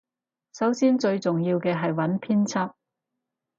首先最重要嘅係揾編輯